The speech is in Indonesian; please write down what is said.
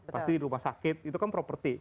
pasti rumah sakit itu kan property